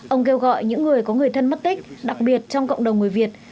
ông kêu gọi những người có người thân mất tích đặc biệt trong cộng đồng người việt